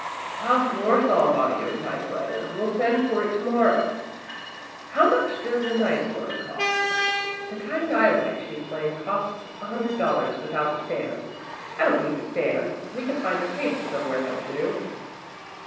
"Of course I'll buy you a typewriter. We'll send for it to morrow. How much does a nice one cost?" "The kind I like," she explained, "costs a hundred dollars without the stand. I don't need the stand we can find a table somewhere that will do."